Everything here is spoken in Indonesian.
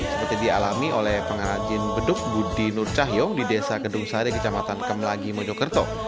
seperti dialami oleh pengrajin beduk budi nurcahiyo di desa gedung sari kecamatan kemelagi mojokerto